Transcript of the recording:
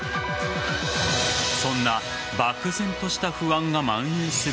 そんな漠然とした不安がまん延する